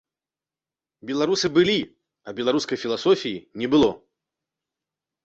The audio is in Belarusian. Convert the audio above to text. Беларусы былі, а беларускай філасофіі не было!